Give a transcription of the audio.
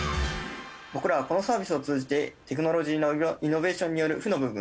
僕らはこのサービスを通じてテクノロジーのイノベーションによる負の部分。